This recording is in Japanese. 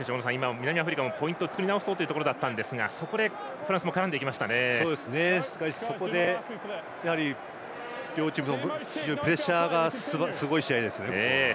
南アフリカもポイントを作り直そうというところでしたがそこでフランスもそこで両チームともプレッシャーがすごい試合ですね。